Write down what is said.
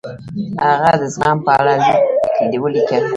هغه د زغم په اړه لیک ولیکه.